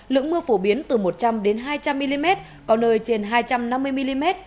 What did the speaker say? lượng mưa phổ biến từ một trăm linh hai trăm linh mm có nơi trên hai trăm năm mươi mm